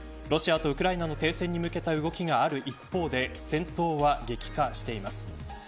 ロシアとウクライナの停戦に向けた動きがある一方で戦闘は激化しています。